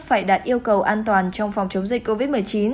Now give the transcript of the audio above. phải đạt yêu cầu an toàn trong phòng chống dịch covid một mươi chín